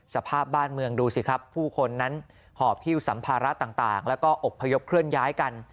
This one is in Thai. สภาพบ้านเมืองดูสิครับผู้คนนั้นหอบฮิ้วสัมภาระต่างแล้วก็อบพยพเคลื่อนย้ายกัน